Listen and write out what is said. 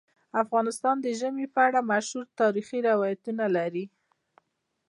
افغانستان د ژمی په اړه مشهور تاریخی روایتونه لري.